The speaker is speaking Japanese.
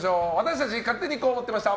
勝手にこう思ってました！